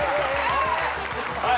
はい。